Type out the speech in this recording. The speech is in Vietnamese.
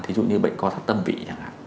thí dụ như bệnh có thất tâm vị chẳng hạn